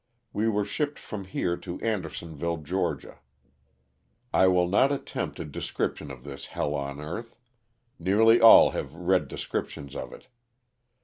We were shipped from here to Andersonville, Ca. I will not attempt a description of this hell on earth; nearly all have read descriptions of it.